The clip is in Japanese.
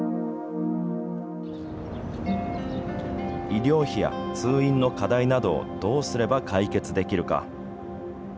医療費や通院の課題などをどうすれば解決できるか。